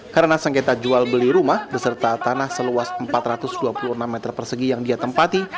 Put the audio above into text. karena sengketa jual beli rumah beserta tanah seluas empat ratus dua puluh enam meter persegi yang dia tempati